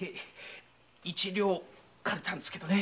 一両だったんですけどね。